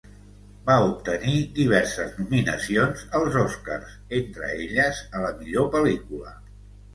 Va obtenir diverses nominacions als Oscars, entre elles a la millor pel·lícula.